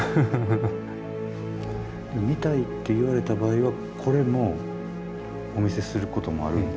でも見たいって言われた場合はこれもお見せすることもあるんですか？